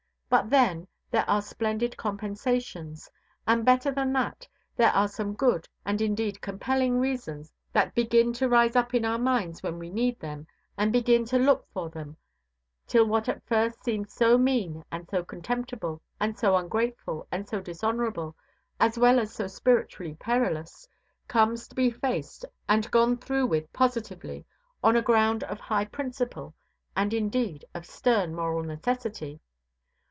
But, then, there are splendid compensations. And, better than that, there are some good, and indeed compelling, reasons that begin to rise up in our minds when we need them and begin to look for them, till what at first seemed so mean and so contemptible, and so ungrateful, and so dishonourable, as well as so spiritually perilous, comes to be faced and gone through with positively on a ground of high principle, and, indeed, of stern moral necessity.